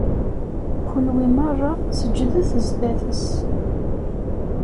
Kunwi merra, seǧǧdet sdat-s!